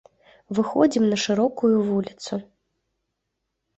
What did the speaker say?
Выходзім на шырокую вуліцу.